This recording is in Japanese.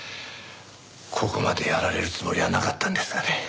ここまでやられるつもりはなかったんですがね。